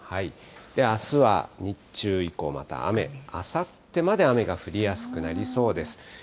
あすは日中以降また雨、あさってまで雨が降りやすくなりそうです。